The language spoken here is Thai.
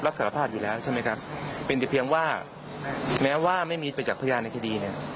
สารภาพอยู่แล้วใช่ไหมครับเป็นแต่เพียงว่าแม้ว่าไม่มีประจักษ์พยานในคดีเนี่ย